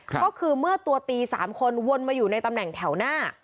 ก็คือเมื่อตัวตี๓คนวนมาอยู่ในตำแหน่งแถวหน้า